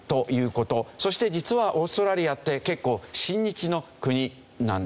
そして実はオーストラリアって結構親日の国なんですね。